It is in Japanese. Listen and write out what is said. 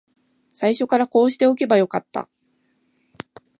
最初からこうしておけばよかった